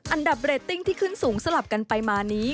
อันดับเรตติ้งที่ขึ้นสูงสลับกันไปมานี้